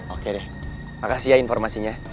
oke deh makasih ya informasinya